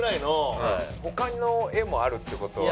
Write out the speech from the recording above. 他の画もあるって事は。